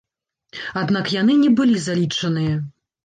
Аднак яны не былі залічаныя.